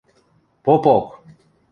– Попок!..